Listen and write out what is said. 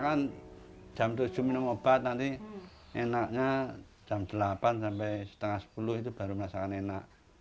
kan jam tujuh minum obat nanti enaknya jam delapan sampai setengah sepuluh itu baru merasakan enak